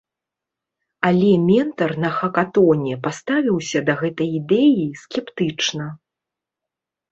Але ментар на хакатоне паставіўся да гэтай ідэі скептычна.